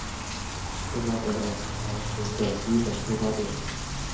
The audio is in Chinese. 赫巴德模型的基本出发点。